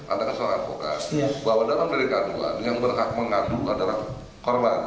ada keseluruhan advokat bahwa dalam delikaduan yang berhak mengadu adalah korban